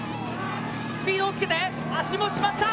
スピードをつけて足もしまった。